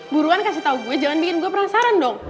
buruan kasih tau gue jangan bikin gue penasaran dong